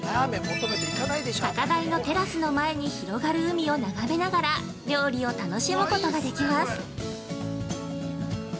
高台のテラスの前に広がる海を眺めながら料理を楽しむことができます。